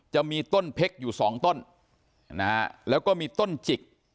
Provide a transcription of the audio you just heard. จะมีต้นเพชรอยู่สองต้นนะฮะแล้วก็มีต้นจิก